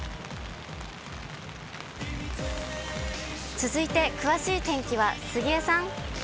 続いて詳しい天気は杉江さん。